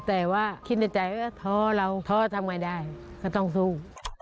แต่ว่าคิดในใจว่าท้อเราท้อทำไงได้ก็ต้องสู้